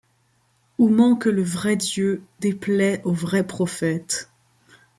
Où manque le vrai Dieu, déplaît au vrai prophète